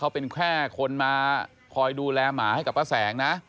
เขาเป็นแค่คนมาคอยดูแลหมาให้กับป้าแสงนะ